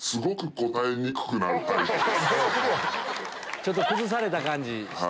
ちょっと崩された感じして。